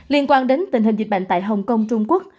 liên quan đến tình hình dịch bệnh tại hồng kông trung quốc